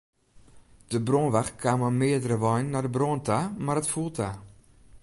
De brânwacht kaam mei meardere weinen nei de brân ta, mar it foel ta.